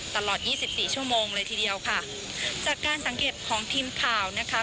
ตลอดยี่สิบสี่ชั่วโมงเลยทีเดียวค่ะจากการสังเกตของทีมข่าวนะคะ